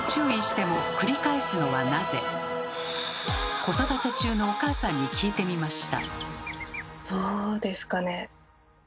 子育て中のお母さんに聞いてみました。